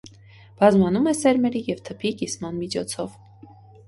Բազմանում է սերմերի և թփի կիսման միջոցով։